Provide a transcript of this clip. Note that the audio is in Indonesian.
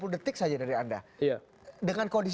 tiga puluh detik saja dari anda